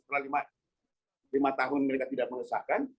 setelah lima tahun mereka tidak mengesahkan